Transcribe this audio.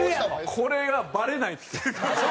これがバレないんですよ。